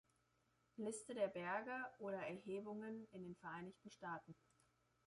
Liste der Berge oder Erhebungen in den Vereinigten Staaten